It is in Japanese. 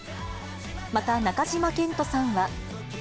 また、中島健人さんは。